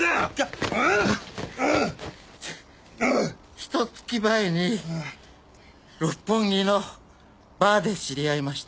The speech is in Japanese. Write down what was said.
ひと月前に六本木のバーで知り合いました。